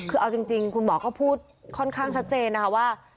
คือเอาจริงคุณหมอก็พูดค่อนข้างชัดเจนนะคะว่า